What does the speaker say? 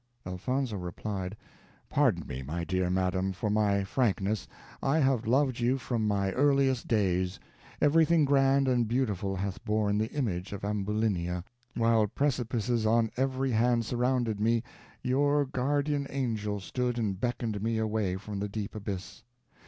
Elfonzo replied, "Pardon me, my dear madam, for my frankness. I have loved you from my earliest days everything grand and beautiful hath borne the image of Ambulinia; while precipices on every hand surrounded me, your guardian angel stood and beckoned me away from the deep abyss.